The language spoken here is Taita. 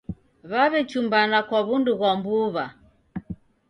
W'aw'echumbana kwa wundu ghwa mbuw'a